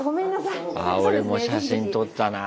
あ俺も写真撮ったなぁ。